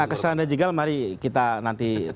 nah kesalahan dan jegal mari kita nanti